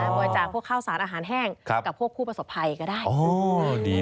บริจาคพวกข้าวสารอาหารแห้งกับพวกผู้ประสบภัยก็ได้